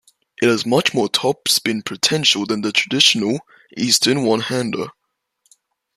It has much more topspin potential than the traditional Eastern one-hander.